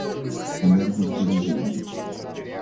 Энергосбережение